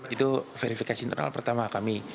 itu verifikasi internal pertama kami